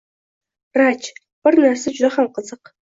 Raj, bir narsa juda ham qiziq